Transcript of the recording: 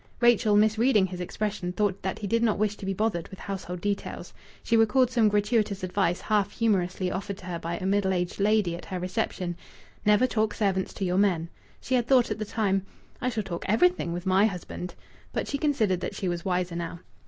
Rachel, misreading his expression, thought that he did not wish to be bothered with household details. She recalled some gratuitous advice half humorously offered to her by a middle aged lady at her reception, "Never talk servants to your men." She had thought, at the time, "I shall talk everything with my husband." But she considered that she was wiser now.